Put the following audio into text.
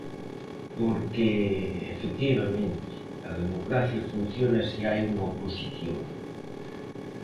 Porque, efectivamente, a democracia funciona se hai unha oposición.